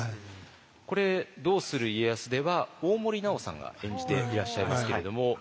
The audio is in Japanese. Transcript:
これ「どうする家康」では大森南朋さんが演じていらっしゃいますけれども。